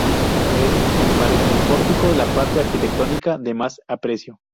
Es, sin embargo, el pórtico la parte arquitectónica de más aprecio.